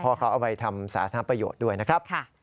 เพราะเขาเอาไปทำสาธารณประโยชน์ด้วยนะครับ